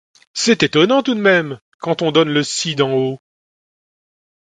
C’est étonnant tout de même quand on donne le si d’en haut !